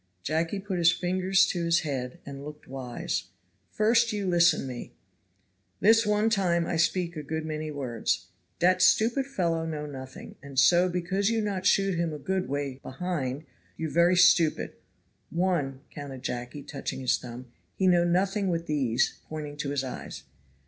Jacky put his finger to his head, and looked wise. "First you listen me this one time I speak a good many words. Dat stupid fellow know nothing, and so because you not shoot him a good way* behind you very stupid. One," counted Jacky, touching his thumb, "he know nothing with these (pointing to his eyes).